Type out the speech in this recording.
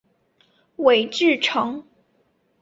韦志成。